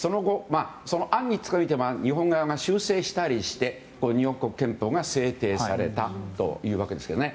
その案については修正したりして日本国憲法が制定されたというわけですよね。